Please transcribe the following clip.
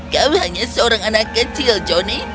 kau hanya seorang anak kecil joni